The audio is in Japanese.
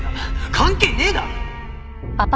関係ねえだろ！